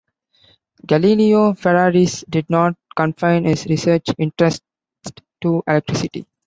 Galileo Ferraris did not confine his research interests to electricity.